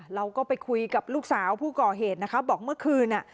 เราก็ไปคุยกับลูกสาวผู้ก่อเหตุนะคะบอกเมื่อคืนอ่ะ